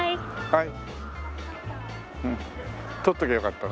はい。